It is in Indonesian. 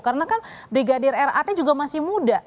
karena kan brigadir rat juga masih muda